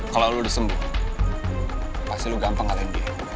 kalau lo udah sembuh pasti lo gampang ngalahin dia